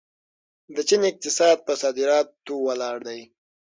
د چین اقتصاد په صادراتو ولاړ دی.